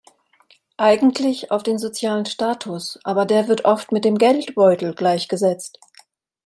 Eigentlich auf den sozialen Status, aber der wird oft mit dem Geldbeutel gleichgesetzt.